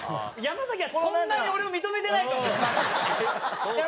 山崎はそんなに俺を認めてないと思うよマジで。